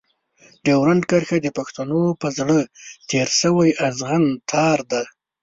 ډيورنډ کرښه د پښتنو په زړه تېر شوی اغزن تار دی.